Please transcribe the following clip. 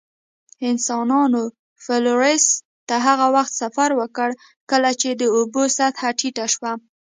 انسانانو فلورس ته هغه وخت سفر وکړ، کله چې د اوبو سطحه ټیټه شوه.